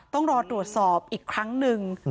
ต้องรอตรวจสอบอีกครั้งหนึ่ง